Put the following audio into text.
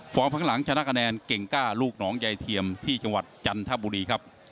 ข้างหลังชนะคะแนนเก่งก้าลูกหนองยายเทียมที่จังหวัดจันทบุรีครับ